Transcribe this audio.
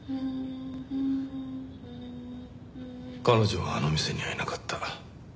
彼女はあの店にはいなかった。